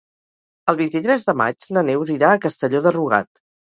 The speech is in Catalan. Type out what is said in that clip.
El vint-i-tres de maig na Neus irà a Castelló de Rugat.